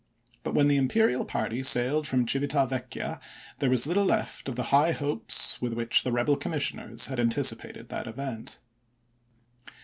But when the imperial party sailed from Civita Vecchia there was little left of the high hopes with which the Rebel Commissioners had anticipated that event.